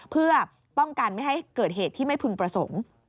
เพื่อป้องกันไม่ให้เกิดเหตุที่ไม่พึงประสงค์